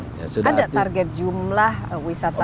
ada target jumlah wisatawan yang lebih minta